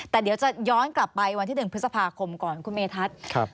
แต่เดี๋ยวจะย้อนกลับไปวันที่๑พฤษภาคมก่อนคุณเมธัศน์